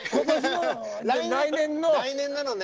来年なのね。